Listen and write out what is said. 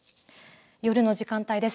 夜の時間帯です。